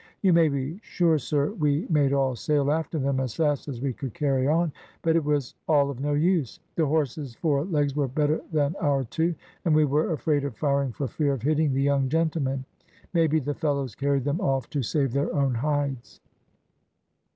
You may be sure, sir, we made all sail after them as fast as we could carry on, but it was all of no use. The horses' four legs were better than our two, and we were afraid of firing for fear of hitting the young gentlemen. Maybe the fellows carried them off to save their own hides."